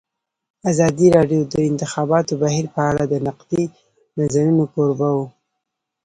ازادي راډیو د د انتخاباتو بهیر په اړه د نقدي نظرونو کوربه وه.